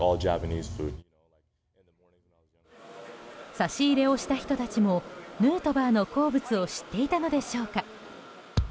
差し入れをした人たちもヌートバーの好物を知っていたのでしょうか。